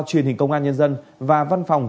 truyền hình công an nhân dân và văn phòng